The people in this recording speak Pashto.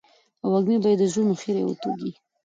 او وږمې به يې د زړونو خيري وتوږي.